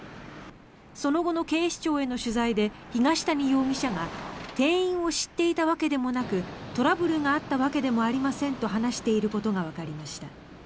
その後の警視庁への取材で東谷容疑者が店員を知っていたわけでもなくトラブルがあったわけでもありませんと話していることがわかりました。